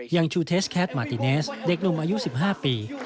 อย่างชูเทสแคทมาติเนสเด็กหนุ่มอายุ๑๕ปี